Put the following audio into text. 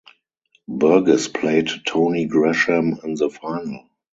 Burgess played Tony Gresham in the final.